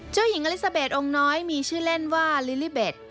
เจ้าหญิงอลิซาเบสองค์น้อยมีชื่อเล่นว่าลิลิเบ็ด